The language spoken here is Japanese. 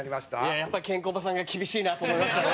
やっぱ、ケンコバさんが厳しいなと思いましたね。